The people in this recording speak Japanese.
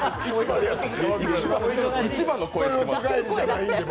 市場の声してます。